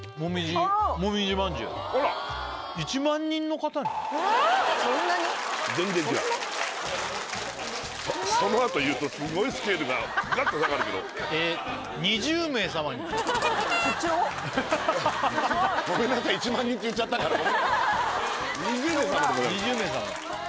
あらそのあと言うとすごいスケールがガッと下がるけどえー２０名様にごめんなさい１万人って言っちゃったから２０名様でございます２０名様です